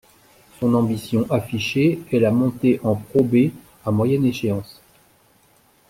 Son ambition affichée est la montée en Pro B à moyenne échéance.